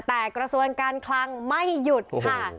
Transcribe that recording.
แต่กระทรวงการคลังไม่หยุดค่ะ